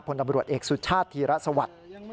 ตำรวจเอกสุชาติธีระสวัสดิ์